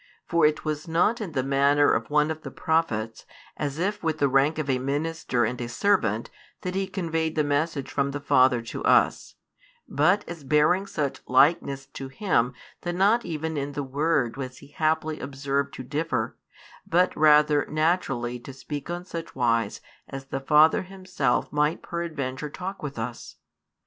For it was not in the manner of one of the prophets, as if with the rank of a minister and a servant, that He conveyed the message from the Father to us; but as bearing such likeness to Him that not even in word was He haply observed to differ, but rather naturally to speak on such wise as the Father Himself might peradventure talk with us.